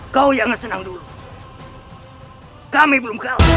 kau yang ngesenang dulu